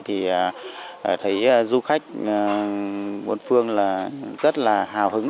thì thấy du khách bốn phương là rất là hào hứng